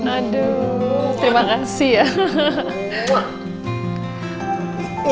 aduh terima kasih ya